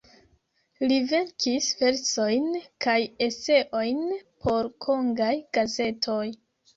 Li verkis versojn kaj eseojn por Kongaj gazetoj.